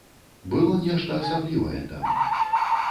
Было нешта асаблівае там.